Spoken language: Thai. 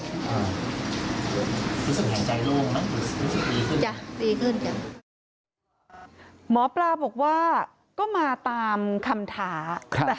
รู้สึกแห่งใจโล่งมั้งรู้สึกดีขึ้น